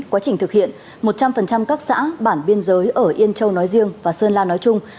quá trình thực hiện một trăm linh các xã bản biên giới ở yên châu nói riêng và sơn la nói chung